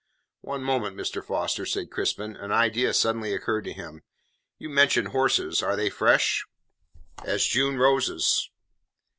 "One moment, Mr. Foster," said Crispin, an idea suddenly occurring to him. "You mentioned horses. Are they fresh?" "As June roses."